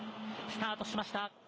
スタートしました。